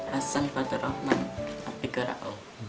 hasan fatur rahman api ora om